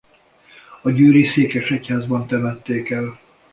A győri székesegyházban temették el.